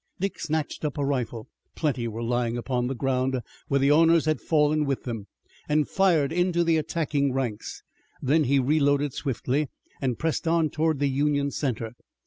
Dick snatched up a rifle plenty were lying upon the ground, where the owners had fallen with them and fired into the attacking ranks. Then he reloaded swiftly, and pressed on toward the Union center.